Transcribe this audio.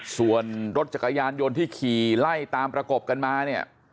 ส่วนรถจักรยานยนต์ที่ขี่ไล่ตามประกบกันมาเนี่ย